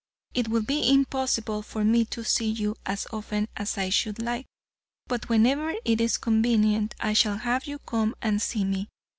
It will be impossible for me to see you as often as I should like, but whenever it is convenient I shall have you come and see me.